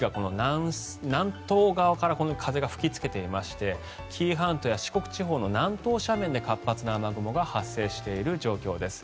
南東側から風が吹きつけていまして紀伊半島や四国地方の南東斜面で活発な雨雲が発生している状況です。